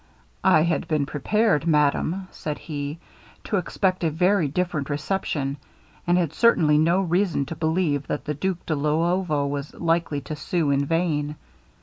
'I had been prepared, madam,' said he, 'to expect a very different reception, and had certainly no reason to believe that the Duke de Luovo was likely to sue in vain.